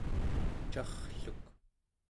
carrluk